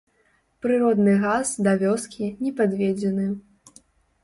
Прыродны газ да вёскі не падведзены.